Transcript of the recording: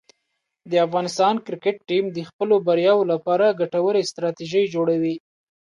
د افغانستان کرکټ ټیم د خپلو بریاوو لپاره ګټورې ستراتیژۍ جوړوي.